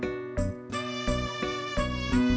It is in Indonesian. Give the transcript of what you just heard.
kalau tidak bisa pernah bilang